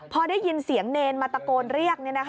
พอได้ยินเสียงเนรมาตะโกนเรียก